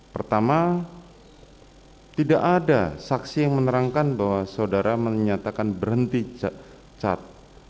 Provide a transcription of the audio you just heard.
pertama tidak ada saksi yang menerangkan bahwa saudara menyatakan berhenti cat